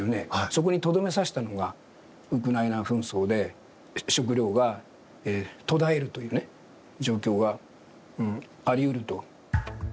そこにとどめを刺したのがウクライナ紛争で食料が途絶えるという状況があり得ると。